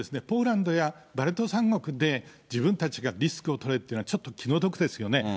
ポーランドやバルト三国で、自分たちがリスクを取れっていうのは、ちょっと気の毒ですよね。